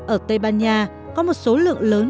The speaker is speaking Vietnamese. ở tây ban nha có một số lượng lớn